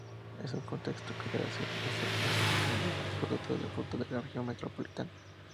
En ese contexto, creó la Asociación de Productores de Fruta de la Región Metropolitana.